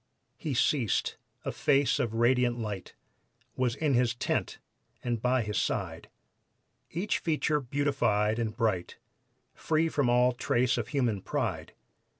He ceased; a face of radiant light Was in his tent and by his side; Each feature beautified and bright, Free from all trace of human pride.